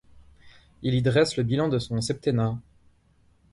Il y dresse le bilan de son septennat.